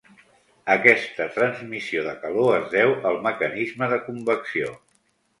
Aquesta transmissió de calor es deu al mecanisme de convecció.